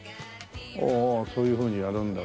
おおそういうふうにやるんだ。